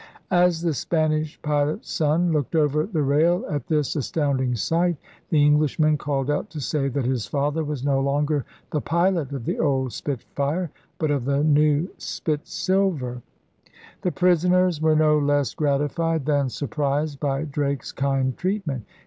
As the Spanish pilot's son looked over the rail at this astounding sight, the Englishmen called out to say that his father was no longer the pilot of the old Spit ^re but of the new Spit silver, The prisoners were no less gratified than sur prised by Drake's kind treatment.